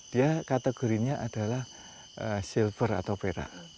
dia kategorinya adalah silver atau perak